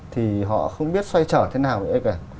thì họ không biết xoay trở thế nào nữa kìa